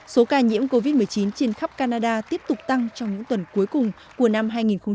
số ca nhiễm covid một mươi chín trên khắp canada tiếp tục tăng trong những tuần cuối cùng của năm hai nghìn hai mươi